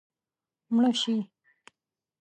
مړه شي